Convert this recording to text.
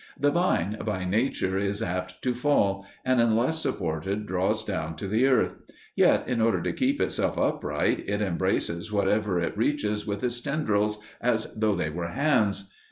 The vine by nature is apt to fall, and unless supported drops down to the earth; yet in order to keep itself upright it embraces whatever it reaches with its tendrils as though they were hands.